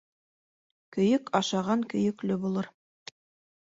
Көйөк ашаған көйөклө булыр.